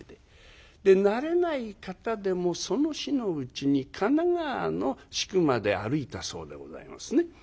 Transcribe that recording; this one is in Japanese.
で慣れない方でもその日のうちに神奈川の宿まで歩いたそうでございますね。